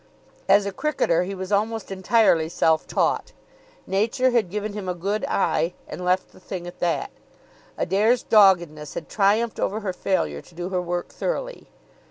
As a cricketer he was almost entirely self taught. Nature had given him a good eye, and left the thing at that. Adair's doggedness had triumphed over her failure to do her work thoroughly.